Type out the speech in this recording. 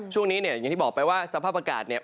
ช่วงนี้อย่างที่บอกไปว่าสภาพอากาศ